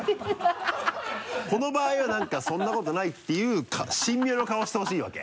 この場合は何かそんなことないっていう神妙な顔をしてほしいわけ。